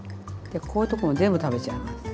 こういうとこも全部食べちゃうの。